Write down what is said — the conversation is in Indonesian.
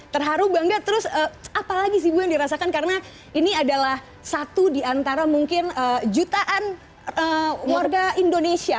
terharu bangga terus apalagi sih ibu yang dirasakan karena ini adalah satu di antara mungkin jutaan warga indonesia